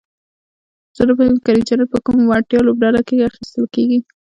زه نپوهېږم چې کریم جنت په کومه وړتیا لوبډله کې اخیستل کیږي؟